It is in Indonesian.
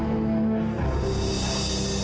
di depan mata aku